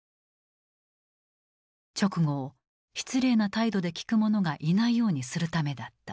勅語を失礼な態度で聴く者がいないようにするためだった。